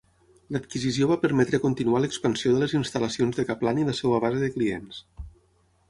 L'adquisició va permetre continuar l'expansió de les instal·lacions de Caplan i la seva base de clients.